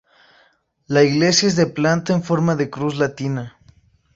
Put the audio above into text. La iglesia es de planta en forma de cruz latina.